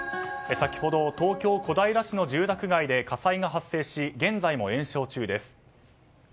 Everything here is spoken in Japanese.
先ほど東京・小平市の住宅街で火災が発生し現在も延焼中です。